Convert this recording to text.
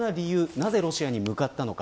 なぜロシアに向かったのか。